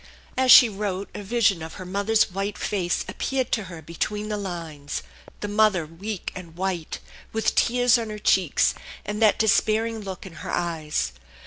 As she wrote, a vision of her mother's white face appeared to her between the lines, the mother weak and white, with tears on her cheeks and that despairing look in her eyes.